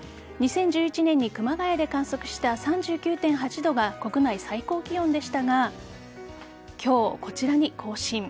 ２０１１年に熊谷で観測した３９．８度が国内最高気温でしたが今日、こちらに更新。